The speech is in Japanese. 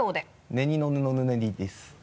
「ねにのぬのぬねに」です。